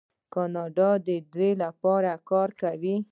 کاناډا د دې لپاره کار کوي.